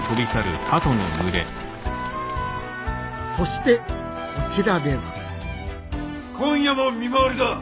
そしてこちらでは今夜も見回りだ！